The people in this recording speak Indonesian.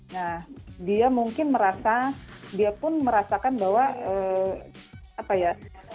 nah dia mungkin merasa dia pun merasakan bahwa apa ya